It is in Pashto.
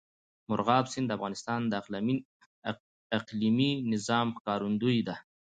مورغاب سیند د افغانستان د اقلیمي نظام ښکارندوی ده.